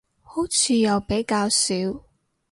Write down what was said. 好似又比較少